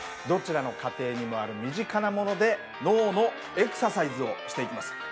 どちらの家庭にもある身近なもので脳のエクササイズをしていきます。